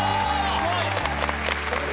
すごい！